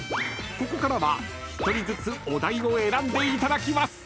［ここからは１人ずつお題を選んでいただきます］